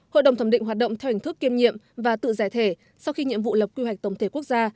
hội đồng thẩm định hoạt động theo hình thức kiêm nhiệm và tự giải thể sau khi nhiệm vụ lập quy hoạch tổng thể quốc gia